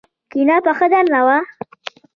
کيڼه پښه درنه وه.